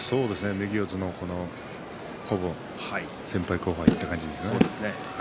右四つの先輩後輩という感じですね。